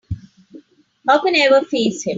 How can I ever face him?